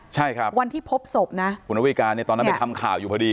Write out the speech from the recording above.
ใช่ครับวันที่พบศพนะคุณนวิการเนี่ยตอนนั้นไปทำข่าวอยู่พอดี